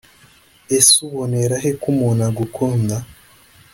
Ese ubonerahe ko umuntu agukunda